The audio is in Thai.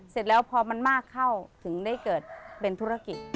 เสร็จแล้วพอมันมากเข้าถึงได้เกิดเป็นธุรกิจ